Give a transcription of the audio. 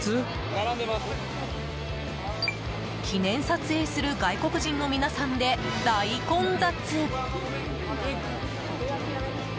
記念撮影する外国人の皆さんで大混雑！